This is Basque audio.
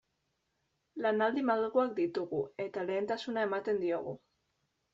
Lanaldi malguak ditugu eta lehentasuna ematen diogu.